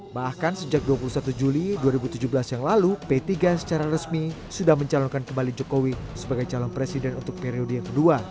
bahkan sejak dua puluh satu juli dua ribu tujuh belas yang lalu p tiga secara resmi sudah mencalonkan kembali jokowi sebagai calon presiden untuk periode yang kedua